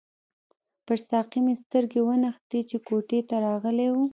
پر ساقي مې سترګې ونښتې چې کوټې ته راغلی وو.